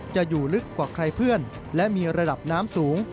จะอยู่ลึกกว่าใครเพื่อนและมีระดับน้ำสูง